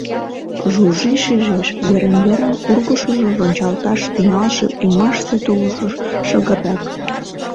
Жужи шижеш, верын-верын ургышыжо рончалташ тӱҥалше ӱмашсе тувыржо шыгыррак.